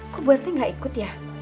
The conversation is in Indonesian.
kok bu rt gak ikut ya